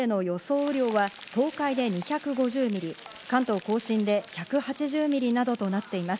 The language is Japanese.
雨量は東海で２５０ミリ、関東甲信で１８０ミリなどとなっています。